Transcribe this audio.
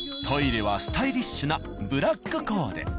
トイレはスタイリッシュなブラックコーデ。